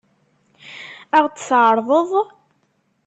Ad ɣ-t-tɛeṛḍeḍ?